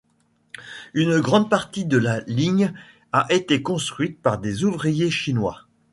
Une grande partie de la ligne a été construite par des ouvriers chinois.